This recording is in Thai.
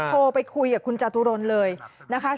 โทรไปคุยกับคุณจตุรนเลยนะคะ